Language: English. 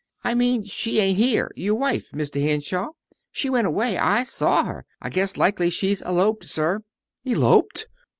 "I mean she ain't here your wife, Mr. Henshaw. She went away. I saw her. I guess likely she's eloped, sir." "Eloped!"